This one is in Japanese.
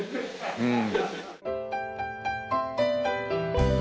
うん。